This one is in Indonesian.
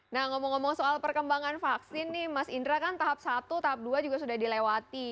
nah ngomong ngomong soal perkembangan vaksin nih mas indra kan tahap satu tahap dua juga sudah dilewati